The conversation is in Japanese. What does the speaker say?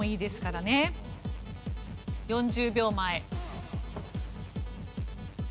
４０秒前。